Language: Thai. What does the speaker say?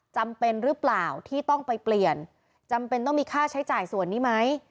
จำเป็นหรือเปล่าที่ต้องไปเปลี่ยนจำเป็นต้องมีค่าใช้จ่ายส่วนนี้ไหม